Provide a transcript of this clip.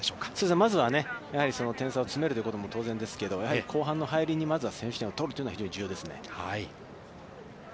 まずは、点差を詰めるということも当然ですけれども、やはり後半の入りにまずは先取点を取るというのは重要ですね。